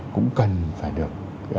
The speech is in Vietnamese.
cũng cần phải được